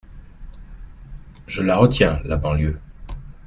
Je la retiens, la banlieue !